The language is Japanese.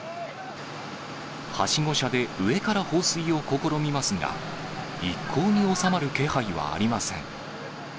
はしご車で上から放水を試みますが、一向に収まる気配はありません。